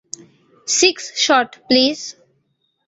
Six shot, please.